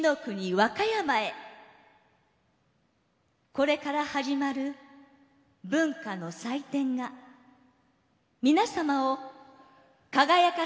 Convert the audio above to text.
これから始まる文化の祭典が皆様を輝かせるよう心から願って。